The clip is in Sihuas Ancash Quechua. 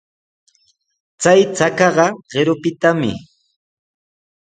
Chay chakaqa qirupitami.